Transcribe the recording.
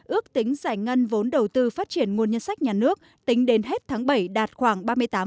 ước tính giải ngân vốn đầu tư phát triển nguồn nhân sách nhà nước tính đến hết tháng bảy đạt khoảng ba mươi tám